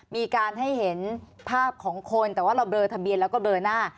มีการให้เห็นภาพของคนแต่ว่าเราเลอทะเบียนแล้วก็เบลอหน้า